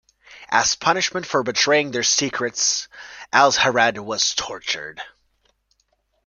As punishment for betraying their secrets, Alhazred was tortured.